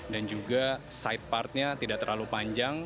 dan juga side partnya tidak terlalu panjang